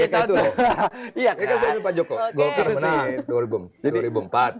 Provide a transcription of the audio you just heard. ya kan saya ambil pak joko golkar menang dua ribu empat